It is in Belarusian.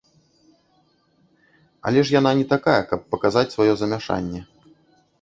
Але ж яна не такая, каб паказаць сваё замяшанне.